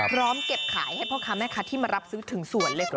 พร้อมเก็บขายให้พ่อค้าแม่ค้าที่มารับซื้อถึงสวนเลยคุณ